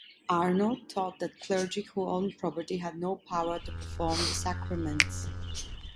Arnold taught that clergy who owned property had no power to perform the Sacraments.